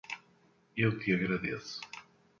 Eu te agradeço.